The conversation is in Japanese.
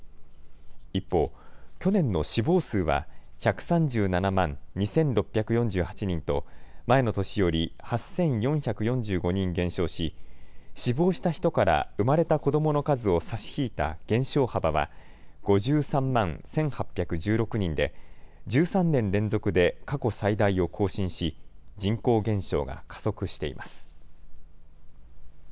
一方、去年の死亡数は１３７万２６４８人と前の年より８４４５人減少し、死亡した人から生まれた子どもの数を差し引いた減少幅は５３万１８１６人で１３年連続で過去最大を更新し人口減少が加速しています。